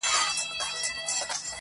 نصیب د جهاني په نوم یوه مینه لیکلې-